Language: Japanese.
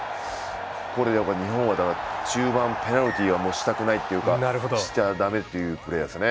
日本は、中盤ペナルティはあまりしたくないというかしちゃだめというプレーヤーです。